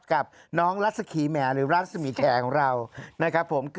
กับน้องรัสขีแหมหรือรัศมีแขของเรานะครับผม